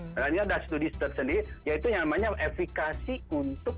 karena ini ada studi studi sendiri yaitu yang namanya efikasi untuk